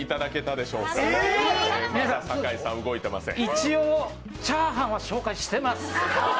一応チャーハンは紹介しています。